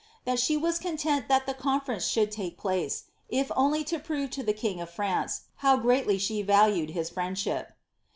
■■ that she was content that the conference should take place, if only to prove to the king of France how greatly she valued his friendship."